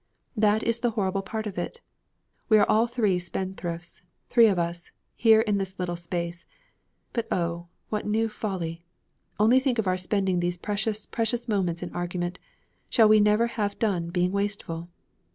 That is the horrible part of it. We are all three spendthrifts, the three of us, here in this little space. But oh, what new folly! Only think of our spending these precious, precious moments in argument! Shall we never have done being wasteful!'